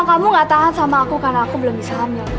kamu gak tahan sama aku karena aku belum bisa hamil